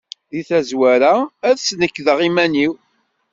Deg tazwara ad d-snekdeɣ iman-iw.